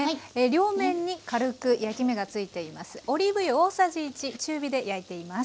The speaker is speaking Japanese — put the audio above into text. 両面に軽く焼き目がついています。